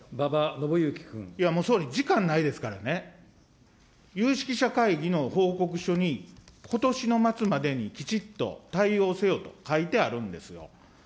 もう総理、時間ないですからね、有識者会議の報告書にことしの末までにきちっと対応せよと書いてあるんですよ。